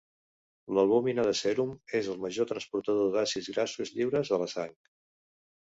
L'albúmina de sèrum és el major transportador d'àcids grassos lliures a la sang.